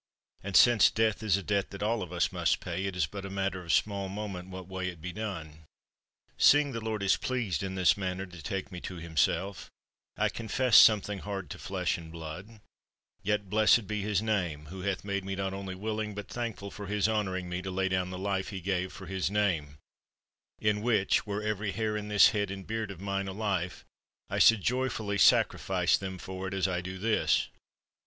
And since death is a debt that ail of us must pay, it is but a matter of small moment what way it be done. Seeing the Lord is pleased in this manner to take me to Himself, I confess, something hard to flesh and blood, yet blessed be His name, who hath made me not only willing, but thankful for His honoring me to lay down the life He gave, for His name ; in which, were every hair in this head and beard of mine a life, I should joyfully sacrifice them for it, as I do this.